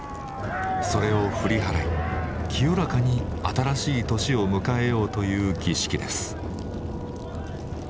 それを振り払い清らかに新しい年を迎えようという儀式です。